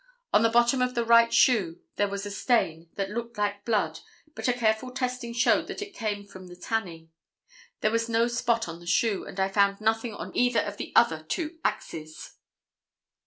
On the bottom of the right shoe there was a stain that looked like blood, but a careful testing showed that it came from the tanning. There was no spot on the shoe, and I found nothing on either of the other two axes."